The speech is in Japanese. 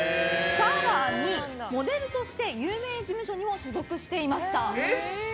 更に、モデルとして有名モデル事務所に所属していました。